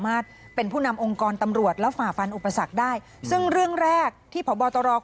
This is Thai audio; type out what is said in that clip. การแต่งตั้งโยคย้ายข้าราชการตำรวจระดับผู้บังคับบัญชาหน่วยต่าง